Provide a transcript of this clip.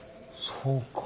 そうか。